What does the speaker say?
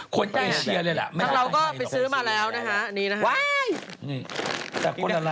คนเอเชียเลยล่ะ